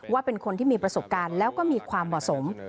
ว่าเป็นคนที่มีประสบการณ์แล้วก็มีความเหมาะสม